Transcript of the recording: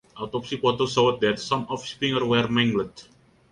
Autopsy photos showed that some of his fingers were mangled.